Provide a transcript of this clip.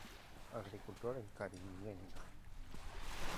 Agricultor en Cariñena.